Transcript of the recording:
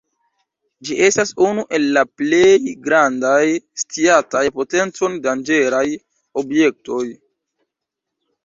Ĝi estas unu el la plej grandaj sciataj potence danĝeraj objektoj.